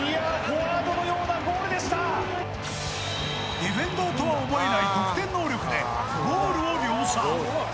ディフェンダーとは思えない得点能力でゴールを量産。